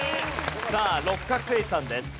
さあ六角精児さんです。